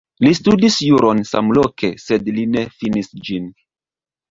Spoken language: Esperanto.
Li studis juron samloke, sed li ne finis ĝin.